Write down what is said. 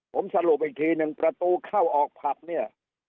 ผมสรุปอีกทีหนึ่งประตูเข้าออกผับเนี่ย